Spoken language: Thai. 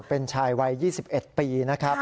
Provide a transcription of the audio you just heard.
เป็นชายวัย๒๑ปีนะครับ